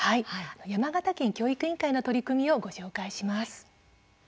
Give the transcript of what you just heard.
山形県教育委員会の取り組みをご紹介します。